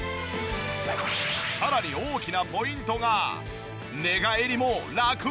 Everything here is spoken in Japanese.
さらに大きなポイントが。